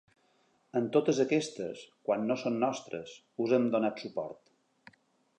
En totes aquestes, quan no són nostres, us hem donat suport.